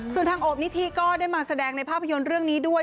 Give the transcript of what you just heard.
ส่วนทางโอบนิธิก็ได้มาแสดงในภาพยนตร์เรื่องนี้ด้วย